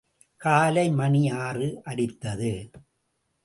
காலை மணி ஆறு அடித்தது.